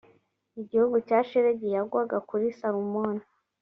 igihugu cya shelegi yagwaga kuri salumoni